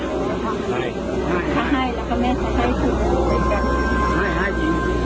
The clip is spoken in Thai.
ผมรู้แล้วว่าทุกที่นี่เป็นที่ที่หยุด